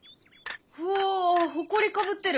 うおほこりかぶってる。